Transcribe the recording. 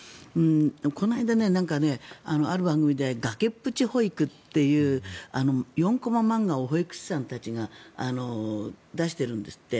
この間、ある番組で「崖っぷち保育」という４コマ漫画を保育士さんたちが出しているんですって。